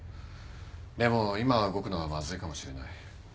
でも今は動くのはまずいかもしれない。